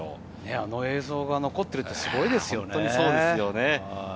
あの映像が残っているってすごいですよね。